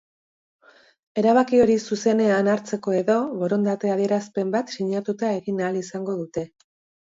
Erabaki hori zuzenean hartzeko edo borondate adierazpena bat sinatuta egin ahal izango dute.